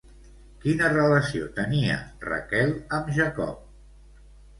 Quina relació tenia Raquel amb Jacob?